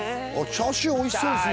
チャーシューおいしそうですね